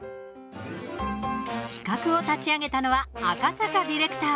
企画を立ち上げたのは赤坂ディレクター。